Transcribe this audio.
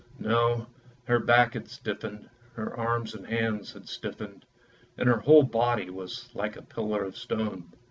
No; her back had stiffened, her arms and hands had stiffened, and her whole body was like a pillar of stone.